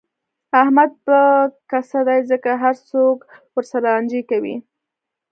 احمد به کسه دی، ځکه هر څوک ورسره لانجې کوي.